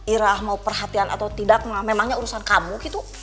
irah mau perhatian atau tidak memangnya urusan kamu gitu